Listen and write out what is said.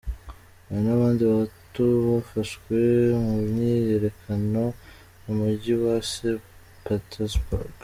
Hari n'abandi batu bafashwe mu myiyerekano mu muji wa St Petersburg.